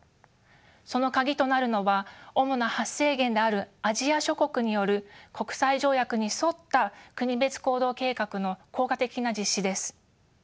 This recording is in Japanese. その鍵となるのは主な発生源であるアジア諸国による国際条約に沿った国別行動計画の効果的な実施です。